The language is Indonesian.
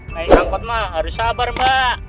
naik angkot mah harus sabar mbak